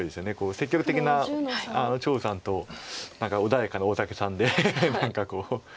積極的な張栩さんと穏やかな大竹さんで何かこう。